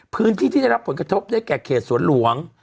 พื้นที่ที่ได้รับผลกระทบได้แก่เขตสวนหลวง